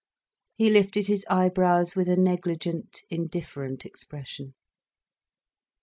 He lifted his eyebrows with a negligent, indifferent expression.